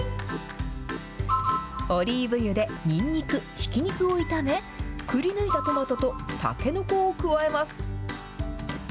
オリーブ油でニンニク、ひき肉を炒め、くりぬいたトマトとたけのこを加えます。